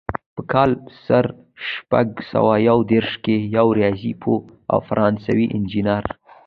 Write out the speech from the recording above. په کال زر شپږ سوه یو دېرش کې یو ریاضي پوه او فرانسوي انجینر.